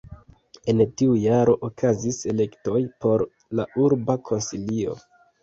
En tiu jaro okazis elektoj por la urba konsilio.